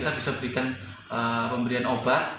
kita bisa berikan pemberian obat